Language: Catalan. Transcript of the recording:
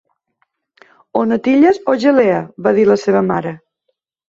"O natilles, o gelea", va dir la seva mare.